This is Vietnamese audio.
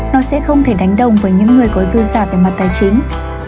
nó sẽ không thể đánh đồng với những người có dư giả về mặt tài chính